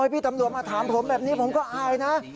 พี่ตำรวจมาถามผมแบบนี้ผมก็อายนะ